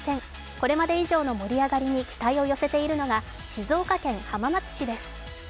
これまで以上の盛り上がりに期待を寄せているのが静岡県浜松市です。